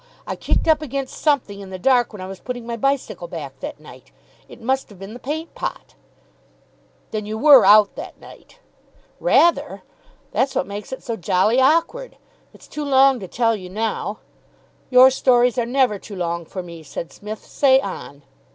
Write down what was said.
I kicked up against something in the dark when I was putting my bicycle back that night. It must have been the paint pot." "Then you were out that night?" "Rather. That's what makes it so jolly awkward. It's too long to tell you now " "Your stories are never too long for me," said Psmith. "Say on!"